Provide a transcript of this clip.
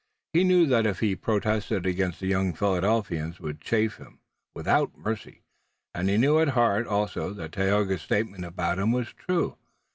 He knew that if he protested again the young Philadelphians would chaff him without mercy, and he knew at heart also that Tayoga's statement about him was true.